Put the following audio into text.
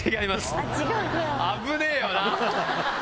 危ねぇよな！